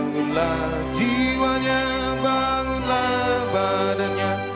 bangunlah jiwanya bangunlah badannya